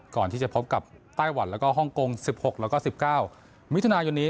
ก่อนที่จะพบกับไต้หวันแล้วก็ฮ่องกง๑๖แล้วก็๑๙มิถุนายนนี้